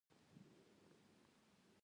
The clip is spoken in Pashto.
زړه مې غواړي